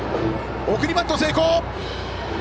送りバント、成功！